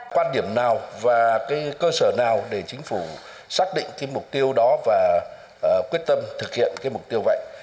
quan điểm nào và cơ sở nào để chính phủ xác định mục tiêu đó và quyết tâm thực hiện mục tiêu vậy